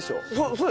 そう。